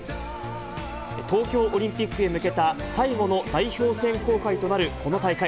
東京オリンピックへ向けた最後の代表選考会となるこの大会。